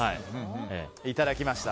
いただきました。